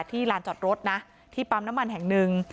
ลานจอดรถนะที่ปั๊มน้ำมันแห่งหนึ่ง